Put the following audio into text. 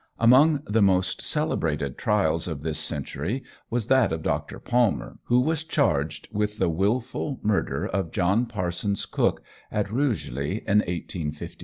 Among the most celebrated trials of this century was that of Dr. Palmer, who was charged with the wilful murder of John Parsons Cook, at Rugeley, in 1855.